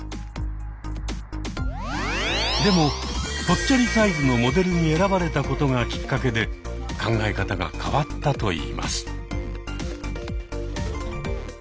でもぽっちゃりサイズのモデルに選ばれたことがきっかけで考え方が変わったといいます。